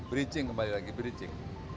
bridging kembali lagi bridging